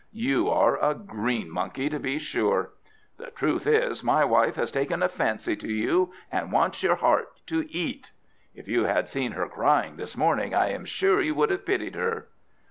You are a green monkey, to be sure. The truth is, my wife has taken a fancy to you, and wants your heart to eat! If you had seen her crying this morning, I am sure you would have pitied her."